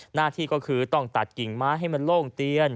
หน้าที่ก็คือต้องตัดกิ่งไม้ให้มันโล่งเตียน